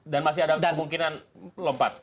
dan masih ada kemungkinan lompat